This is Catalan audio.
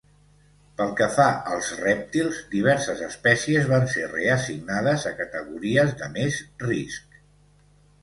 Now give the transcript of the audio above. Pel que fa als rèptils, diverses espècies van ser reassignades a categories de més risc.